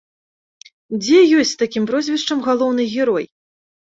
Дзе ёсць з такім прозвішчам галоўны герой?